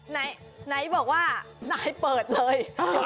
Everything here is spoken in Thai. ไหนบอกว่านายเปิดเลย